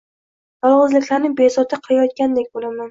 Yolg’izliklarini bezovta qilayotgandek bo’laman.